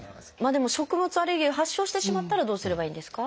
でも食物アレルギーを発症してしまったらどうすればいいんですか？